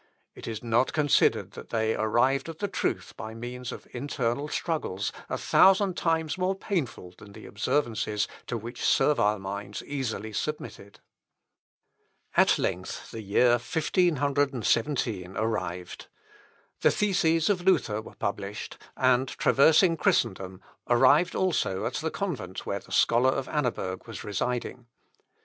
It is not considered that they arrived at the truth by means of internal struggles, a thousand times more painful than the observances to which servile minds easily submitted. Melch. Adami Vita Myconii. At length the year 1517 arrived. The theses of Luther were published, and, traversing Christendom, arrived also at the convent where the scholar of Annaberg was residing.